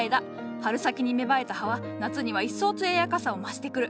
春先に芽生えた葉は夏には一層艶やかさを増してくる。